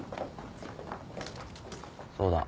そうだ。